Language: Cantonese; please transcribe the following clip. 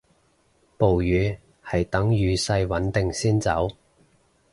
暴雨係等雨勢穩定先走